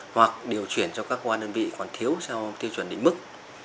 hoặc điều chuyển cho các cơ quan đơn vị còn thiếu theo tiêu chuẩn định mức